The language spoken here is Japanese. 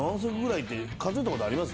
数えたことあります？